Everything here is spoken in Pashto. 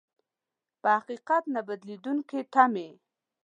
په حقيقت نه بدلېدونکې تمې.